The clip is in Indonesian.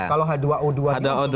kalau h dua o dua ini untuk